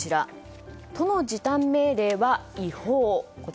都の時短命令は違法。